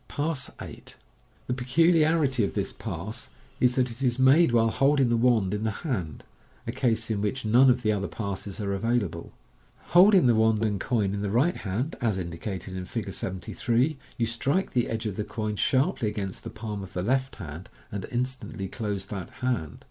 Pass 8. — The peculiarity of this pass is, that it is made while holding the wand in the hand, a case in which none of the other passes are available. Holding the wand and coin in the right hand, as indicated in Fig. 73, you strike the edge of the coin sharply against the palm of the left hand, and instantly close that hand.